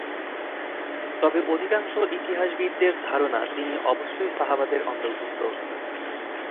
তবে অধিকাংশ ইতিহাসবিদদের ধারণা তিনি অবশ্যই সাহাবাদের অন্তর্ভুক্ত।